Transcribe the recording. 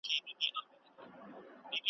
د بمونو راکټونو له هیبته .